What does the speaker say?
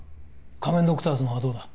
仮面ドクターズの方はどうだ？